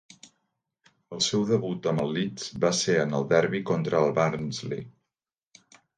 El seu debut amb el Leeds va ser en el derbi contra el Barnsley.